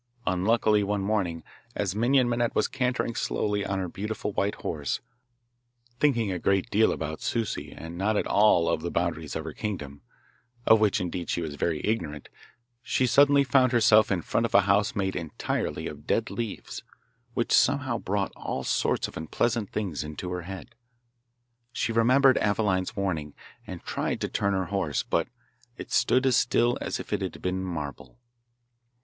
Unluckily one morning, as Minon Minette was cantering slowly on her beautiful white horse, thinking a great deal about Souci and not at all of the boundaries of her kingdom (of which, indeed, she was very ignorant), she suddenly found herself in front of a house made entirely of dead leaves, which somehow brought all sorts of unpleasant things into her head. She remembered Aveline's warning, and tried to turn her horse, but it stood as still as if it had been marble.